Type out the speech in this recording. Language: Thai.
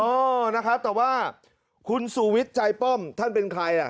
เออนะครับแต่ว่าคุณสูวิทย์ใจป้อมท่านเป็นใครล่ะ